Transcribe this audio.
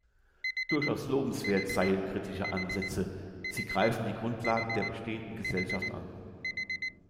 Durchaus lobenswert seien kritische Ansätze, „sie greifen die Grundlagen der bestehenden Gesellschaft an“.